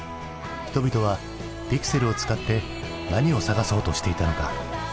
人々はピクセルを使って何を探そうとしていたのか？